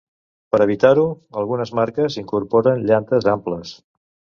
Per a evitar-ho, algunes marques incorporen llantes amples.